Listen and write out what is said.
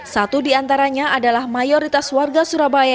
satu di antaranya adalah mayoritas warga surabaya